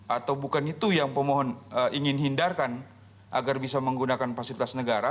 atau bukan itu yang pemohon ingin hindarkan agar bisa menggunakan fasilitas negara